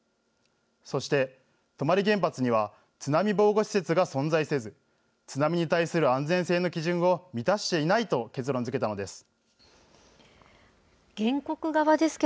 そして泊原発には、津波防護施設が存在せず、津波に対する安全性の基準を満たしていないと結論づけたのです。